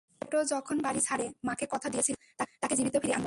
ছোট যখন বাড়ি ছাড়ে, মাকে কথা দিয়েছিলাম, তাকে জীবিত ফিরিয়ে আনব।